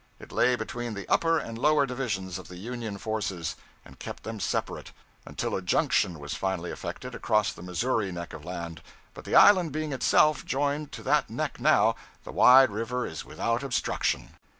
It lay between the upper and lower divisions of the Union forces, and kept them separate, until a junction was finally effected across the Missouri neck of land; but the island being itself joined to that neck now, the wide river is without obstruction.